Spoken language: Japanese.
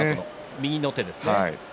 右の手ですね。